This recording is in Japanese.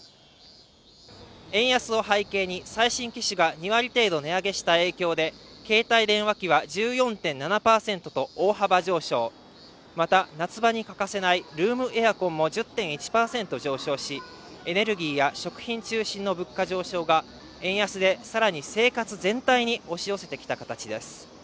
円安を背景に最新機種が２割程度値上げした影響で携帯電話機は１４．７％と大幅上昇また夏場に欠かせないルームエアコンも１０．１％上昇しエネルギーや食品中心の物価上昇が円安でさらに生活全体に押し寄せてきた形です